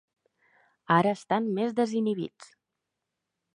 Ara estan més desinhibits.